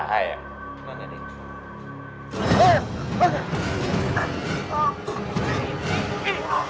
จัดเต็มให้เลย